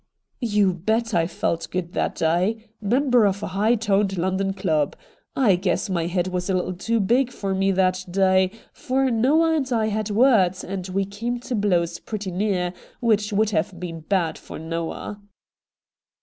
' You bet I felt good that day. Member of a high toned London club ! I guess my head was a bit too big for me that day, for Noah and I had words, and we came to blows pretty near, which would have been bad for Xoah.'